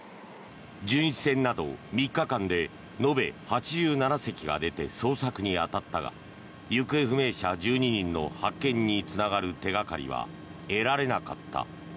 巡視船など３日間で延べ８７隻が出て捜索に当たったが行方不明者１２人の発見につながる手掛かりは得られなかった。